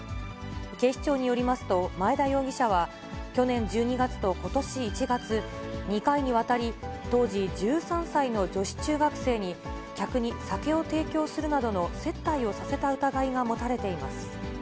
警視庁によりますと、前田容疑者は、去年１２月とことし１月、２回にわたり、当時１３歳の女子中学生に、客に酒を提供するなどの接待をさせた疑いが持たれています。